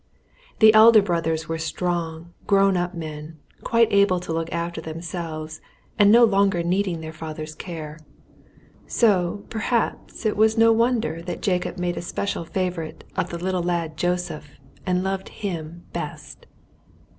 The elder brothers were strong, grown up men, quite able to look after themselves, and no longer needing their father's care; so perhaps it was no wonder that Jacob made a special favourite of the little lad Joseph, and loved him best.